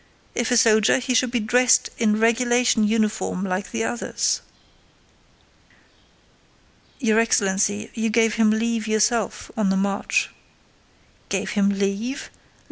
If a soldier, he should be dressed in regulation uniform like the others." "Your excellency, you gave him leave yourself, on the march." "Gave him leave?